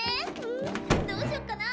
うんどうしよっかな？